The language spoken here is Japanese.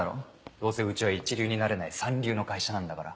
どうせうちは一流になれない三流の会社なんだから。